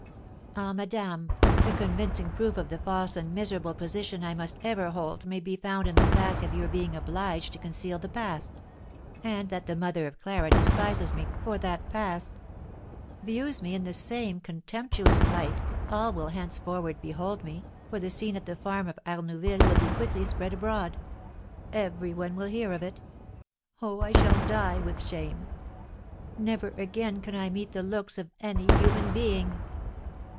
"Ah, madame, a convincing proof of the false and miserable position I must ever hold may be found in the fact of your being obliged to conceal the past; and that the mother of Clara despises me for that past; views me in the same contemptuous light all will henceforward behold me, for the scene at the farm of Arnouville will be quickly spread abroad, every one will hear of it! Oh, I shall die with shame! never again can I meet the looks of any human being!"